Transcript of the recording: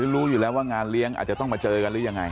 รู้อยู่แล้วว่างานเลี้ยงอาจจะต้องมาเจอกันหรือยังไง